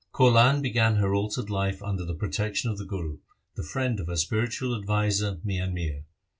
Kaulan began her altered life under the protection of the Guru, the friend of her spiritual adviser Mian Mir.